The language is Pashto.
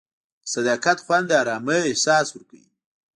د صداقت خوند د ارامۍ احساس ورکوي.